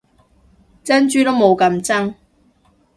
珍珠都冇咁真